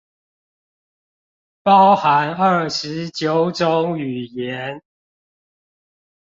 包含二十九種語言